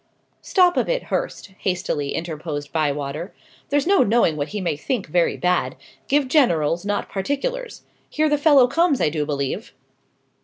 "Stop a bit, Hurst," hastily interposed Bywater. "There's no knowing what he may think 'very bad.' Give generals, not particulars. Here the fellow comes, I do believe!"